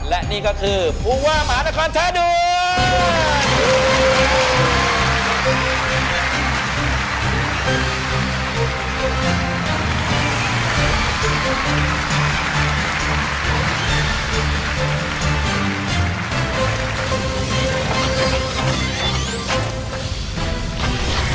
และนี่ก็คือภูว่าหมานาคอร์ชาดุ้น